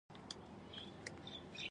د پښتنو په کلتور کې د خوبونو تعبیر کیږي.